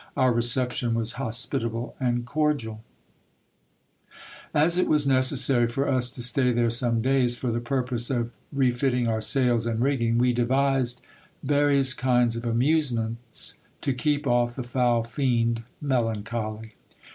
Our reception was hospitable and cordiaL As it was necessary for us to stay there some days, for the purpose of refit ting our sails and rigging, we devised various kinds of amusements to keep off the foul fiend, melancholy.